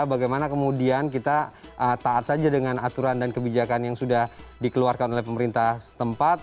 bagaimana kemudian kita taat saja dengan aturan dan kebijakan yang sudah dikeluarkan oleh pemerintah tempat